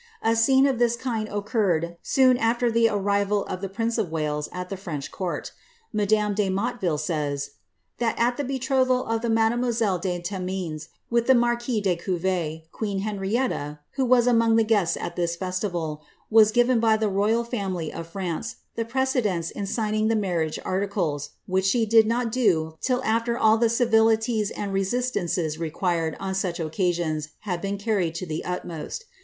A scene of this kind occarred soon after the arrival of the prince of Wales at the French court. Madame de Motteville says, ^ that at the betrothal of mademoi selle de Thcmines with the marquis de GoBuvre, queen Henrietta, who VII among the guests at this festival, was given by the royal family of Fnnce the precedence in signing tlie marriage articles, which she did not do till afVer all the civilities and resistances required on such occa nons had been carried to the utmost.